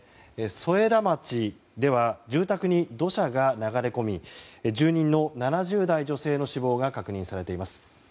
添田町では住宅に土砂が流れ込み住人の７０代女性の死亡が確認されています。